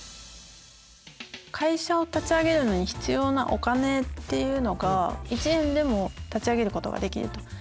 会社を立ち上げるのに必要なお金っていうのが１円でも立ち上げることができると。